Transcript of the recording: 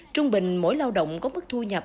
trung bình mỗi lao động có mức thu nhập